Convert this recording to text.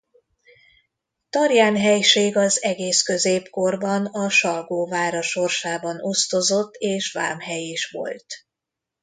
Tarján helység az egész középkorban a Salgó vára sorsában osztozott és vámhely is volt.